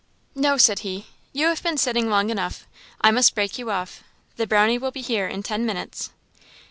"No," said he; "you have been sitting long enough; I must break you off. The Brownie will be here in ten minutes."